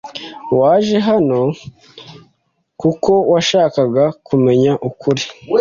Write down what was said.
waje hano kuko washakaga kumenya ukuri